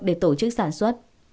để tổ chức sản xuất